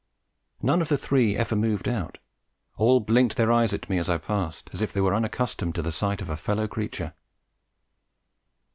None of the three ever moved out; all blinked their eyes at me as I passed, as if they were unaccustomed to the sight of a fellow creature.